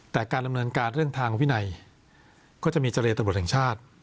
แต่การดำเนินการเรื่องทางวินัยก็จะมีเจรตำรวจแห่งชาติ